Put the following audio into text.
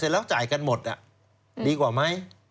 แล้วจ่ายกันหมดดีกว่าไหม